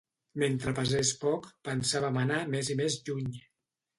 Mentre pesés poc pensàvem anar més i més lluny.